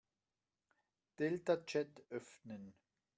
Deltachat öffnen.